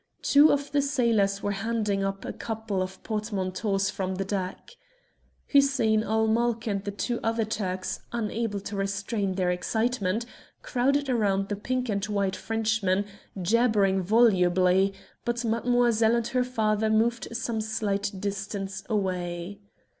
Two of the sailors were handing up a couple of portmanteaus from the deck. Hussein ul Mulk and the two other Turks, unable to restrain their excitement, crowded round the pink and white Frenchman, jabbering volubly, but Mademoiselle and her father moved some slight distance away.